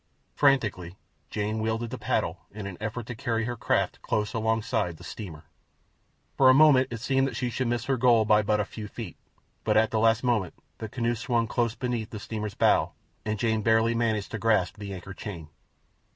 Frantically Jane wielded the paddle in an effort to carry her craft close alongside the steamer. For a moment it seemed that she should miss her goal by but a few feet, but at the last moment the canoe swung close beneath the steamer's bow and Jane barely managed to grasp the anchor chain.